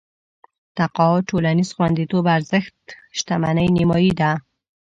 تقاعد ټولنيز خونديتوب ارزښت شتمنۍ نيمايي دي.